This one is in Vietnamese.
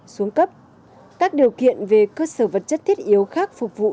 xuống cấp các điều kiện về cơ sở vật chất thiết yếu khác phục vụ